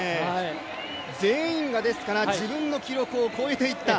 全員が自分の記録を越えていった。